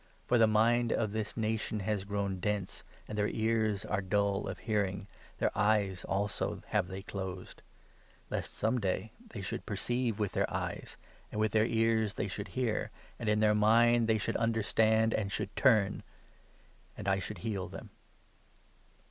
For the mind of this nation has grown dense, 15 And their ears are dull of hearing, Their eyes also have they closed ; Lest some day they should perceive with their eyes, And with their ears they should hear, And in their mind they should understand, and should turn — And I should heal them.'